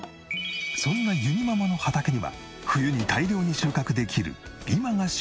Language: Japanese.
そんなゆにママの畑には冬に大量に収穫できる今が旬の野菜が。